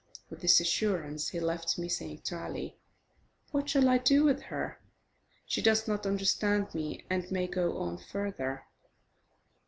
With this assurance he left me, saying to Ali: "What shall I do with her? She does not understand me, and may go on further."